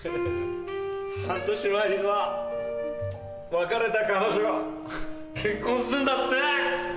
半年前にさ別れた彼女が結婚すんだって！